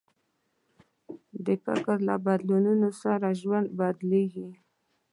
د فکر له بدلون سره ژوند بدل کېږي.